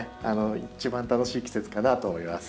一番楽しい季節かなと思います。